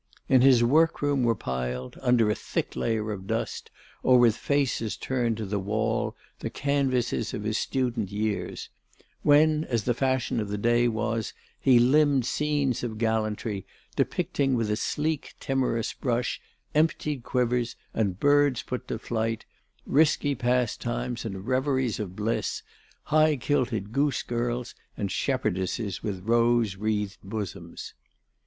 In his workroom were piled, under a thick layer of dust or with faces turned to the wall, the canvases of his student years, when, as the fashion of the day was, he limned scenes of gallantry, depicting with a sleek, timorous brush emptied quivers and birds put to flight, risky pastimes and reveries of bliss, high kilted goose girls and shepherdesses with rose wreathed bosoms.